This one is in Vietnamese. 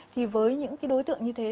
thì với những cái đối tượng như thế